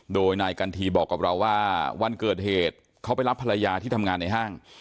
โดยนายกันทีบอกกับเราว่าวันเกิดเหตุเขาไปรับภรรยาที่ทำงานในห้าง